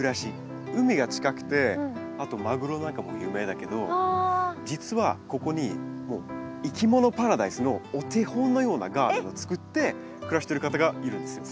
海が近くてあとマグロなんかも有名だけど実はここにいきものパラダイスのお手本のようなガーデンを作って暮らしてる方がいるんですよ。